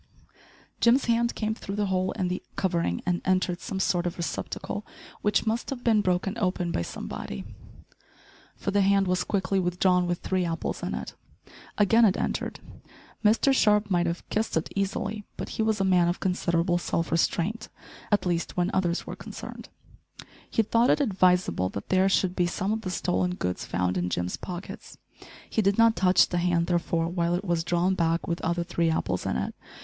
Jim's hand came through the hole in the covering and entered some sort of receptacle, which must have been broken open by somebody, for the hand was quickly withdrawn with three apples in it. Again it entered. Mr Sharp might have kissed it easily, but he was a man of considerable self restraint at least when others were concerned. He thought it advisable that there should be some of the stolen goods found in Jim's pockets! He did not touch the hand, therefore, while it was drawn back with other three apples in it.